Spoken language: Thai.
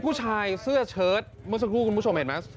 ผู้ชายเสื้อเชิดเมื่อสักครู่คุณผู้ชมเห็นไหม